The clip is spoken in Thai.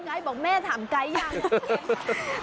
แก๊ทบอกแม่ถามไก๊ยัง